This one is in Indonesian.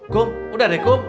ceng udah deh ceng